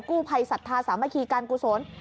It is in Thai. กู้ภัยศรัทธาสามัคคีการกุศล